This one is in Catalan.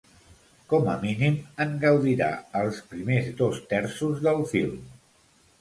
Com a mínim, en gaudirà els primers dos terços del film.